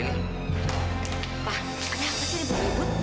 pak ada apa sih di buku ibu